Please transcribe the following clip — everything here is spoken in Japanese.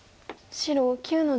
白９の十二。